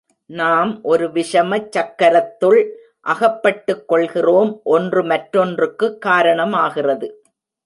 நாம் ஒரு விஷமச் சக்கரத்துள் அகப்பட்டுக் கொள்கிறோம் ஒன்று மற்றொன்றுக்குக் காரணமாகிறது.